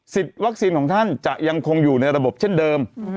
วัคซีนของท่านจะยังคงอยู่ในระบบเช่นเดิม